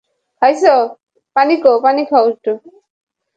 পার্শ্বরেখায় দাঁড়িয়ে জেরার্ড পিকেকে কিছু একটা বললেন বার্সা কোচ লুইস এনরিকে।